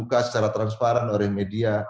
terbuka secara transparan oleh media